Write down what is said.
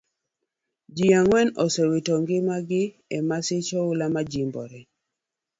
Ji angwen osewito ngima gi e masich oula majimbore.